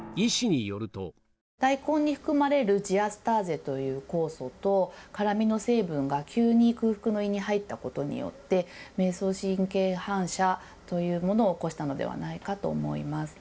大根に含まれるジアスターゼという酵素と、辛みの成分が急に空腹の胃に入ったことによって、迷走神経反射というものを起こしたのではないかと思います。